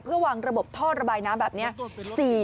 เพื่อวางระบบท่อระบายน้ำแบบนี้